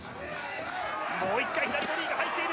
もう１回左ボディーが入っている！